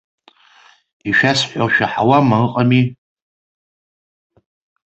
Ишәасҳәо шәаҳауама, ыҟами?